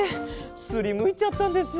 すりむいちゃったんです。